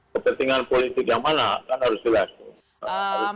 kepentingan politik yang mana kan harus jelas